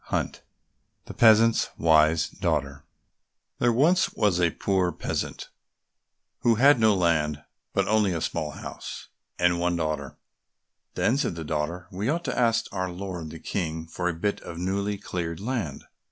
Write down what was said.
94 The Peasant's Wise Daughter There was once a poor peasant who had no land, but only a small house, and one daughter. Then said the daughter, "We ought to ask our lord the King for a bit of newly cleared land."